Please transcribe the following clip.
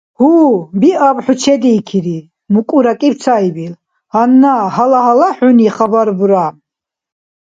— Гьу, биаб, хӀу чедиикири, — мукӀуракӀиб цаибил. — Гьанна гьала-гьала хӀуни хабар бура.